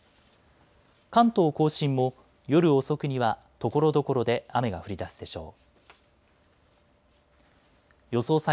関東甲信も夜遅くにはところどころで雨が降りだすでしょう。